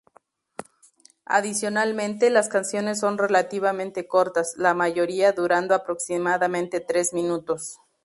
Adicionalmente, las canciones son relativamente cortas, la mayoría durando aproximadamente tres minutos.